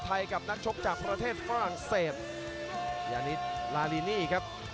ประโยชน์ทอตอร์จานแสนชัยกับยานิลลาลีนี่ครับ